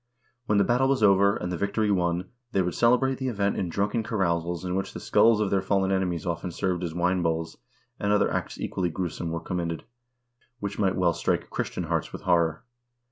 When the battle was over, and the victory won, they would celebrate the event in drunken carousals in which the skulls of their fallen enemies often served as wine bowls, and other acts equally gruesome were com mitted, which might well strike Christian hearts with horror.